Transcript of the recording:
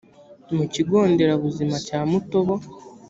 mu kigo nderabuzima cya mutobo